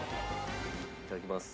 いただきます。